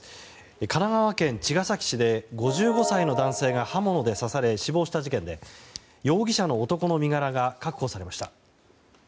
神奈川県茅ヶ崎市で５５歳の男性が刃物で刺され死亡した事件で容疑者の男の身柄が確保されました。